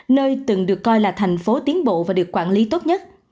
nơi từng được coi là thành phố tiến bộ và được quản lý tốt nhất